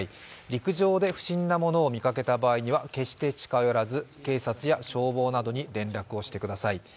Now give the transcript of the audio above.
陸上で不審なものを見かけた場合には決して近寄らず警察や消防などに連絡をしてください。